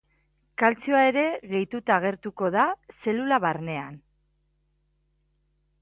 Kaltzioa ere gehituta agertuko da zelula barnean.